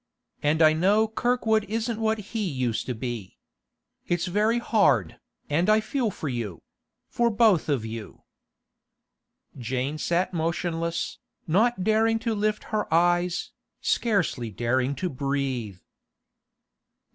And I know Kirkwood isn't what he used to be. It's very hard, and I feel for you—for both of you.' Jane sat motionless, not daring to lift her eyes, scarcely daring to breathe.